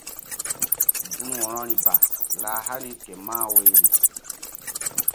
Gun wo̧rori ba lah hani ke mah woyri.